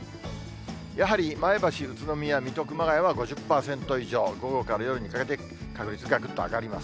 やはり前橋、宇都宮、水戸、熊谷は５０％以上、午後から夜にかけて確率がぐっと上がります。